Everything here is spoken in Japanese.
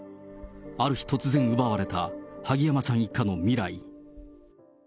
ある日突然奪われた萩山さん一家の未来。